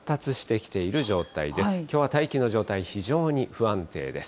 きょうは大気の状態、非常に不安定です。